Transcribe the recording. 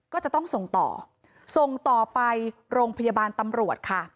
ก็จะต้องส่งต่อส่งต่อไปโรงพยาบาลตำรวจค่ะ